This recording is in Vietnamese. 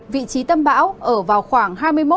vị trí tâm bão ở vào khoảng